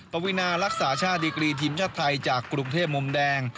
ปวินารักษาชาติดีกรีทีมชาติไทยจากกรุงเทพมุมแดง